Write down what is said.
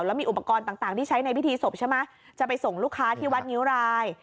แล้วมีอุปกรณ์ต่างที่ใช้ในพิธีศพใช่ไหมจะไปส่งลูกค้าที่วัดงิ้วราย